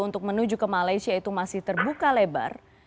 untuk menuju ke malaysia itu masih terbuka lebar